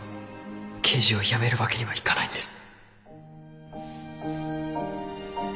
刑事を辞めるわけにはいかないんです